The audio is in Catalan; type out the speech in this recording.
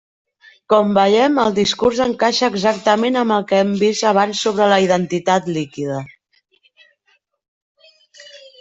Com veiem, el discurs encaixa exactament amb el que hem vist abans sobre la identitat líquida.